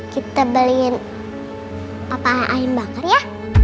kita beliin papa air bakar ya